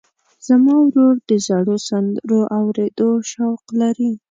زما ورور د زړو سندرو اورېدو شوق لري.